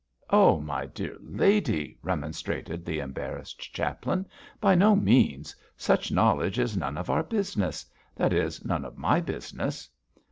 'Oh, my dear lady!' remonstrated the embarrassed chaplain, 'by no means; such knowledge is none of our business that is, none of my business.'